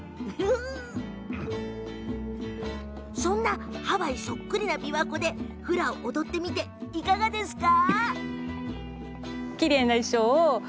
そんなハワイそっくりな琵琶湖でフラを踊ってみていかがですか？